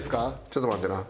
ちょっと待ってな。